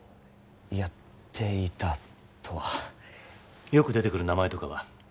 やっていたとはよく出てくる名前とかは？